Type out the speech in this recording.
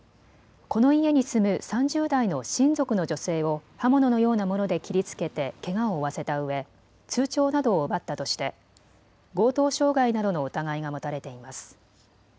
この家に住む３０代の親族の女性を刃物のようなもので切りつけてけがを負わせたうえ通帳などを奪ったとして強盗傷害などの疑いが持たれています。